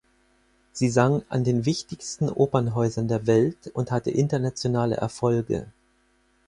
Sie sang an den wichtigsten Opernhäusern der Welt und hatte internationale Erfolge.